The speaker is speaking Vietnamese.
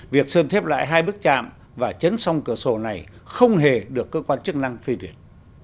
việc sơn thép lại hai bức trạm và chấn song cửa sổ này không hề được cơ quan chức năng phê duyệt